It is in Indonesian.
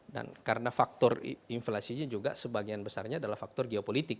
dan karena faktor inflasinya juga sebagian besarnya adalah faktor geopolitik